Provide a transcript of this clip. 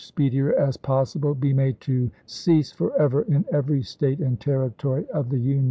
speedier as possible, be made to cease forever in Me every State and Territory of the Union."